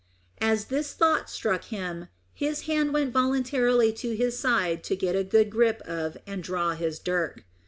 As this thought struck him, his hand went involuntarily to his side to get a good grip of and draw his dirk.